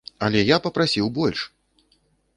Але я папрасіў больш!